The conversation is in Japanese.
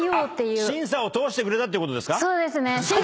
審査を通してくれたってことですか？